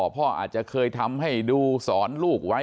พ่ออาจจะเคยทำให้ดูสอนลูกไว้